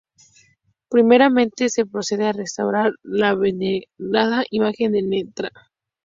Primeramente, se procede a restaurar la venerada imagen de Ntra.